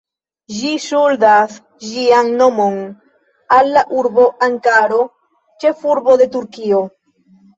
Ĝi ŝuldas ĝian nomon al la urbo Ankaro, ĉefurbo de Turkio.